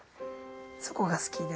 そこが好きで。